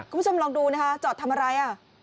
คุณผู้ชำลองดูจอดทำอะไร